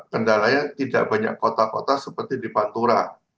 kendalanya tidak banyak kota kota seperti di pantura